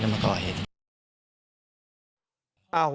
ใช่ผมก็ไม่คิดเลยเราไม่ปล่อย